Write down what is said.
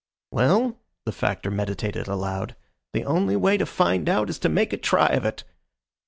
"Well," the Factor meditated aloud, "the only way to find out is to make a try of it."